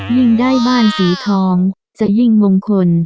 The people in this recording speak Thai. ยิ่งได้บ้านสีทองจะยิ่งมงคล